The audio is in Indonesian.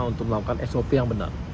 untuk melakukan sop yang benar